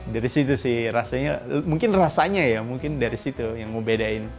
dari situ sih rasanya mungkin rasanya ya mungkin dari situ yang membedain